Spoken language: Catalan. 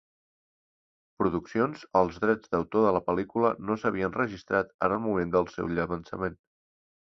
Productions, els drets d'autor de la pel·lícula no s'havien registrat en el moment del seu llançament.